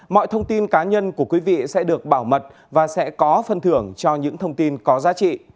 mọi thông tin cá nhân của quý vị sẽ được bảo mật và sẽ có phân thưởng cho những thông tin có giá trị